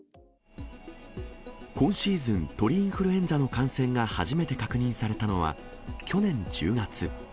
今シーズン、鳥インフルエンザの感染が初めて確認されたのは去年１０月。